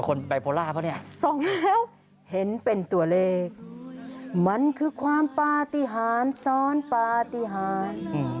ส่งแล้วเห็นเป็นตัวเลขมันคือความปฏิหารซ้อนปฏิหาร